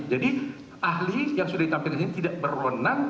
jadi ahli yang sudah ditampilkan di sini tidak berwenang